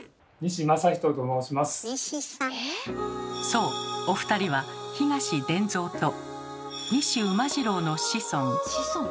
そうお二人は東伝蔵と西馬次郎の子孫。